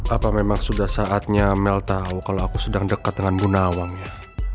apa memang sudah saatnya mel tahu kalau aku sedang dekat dengan bunawang ya